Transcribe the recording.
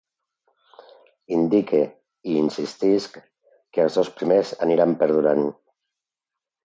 Indique i insistisc que els dos primers aniran perdurant.